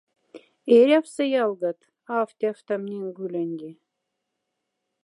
Эряфса, ялгат, аф тяфтама нинге уленди.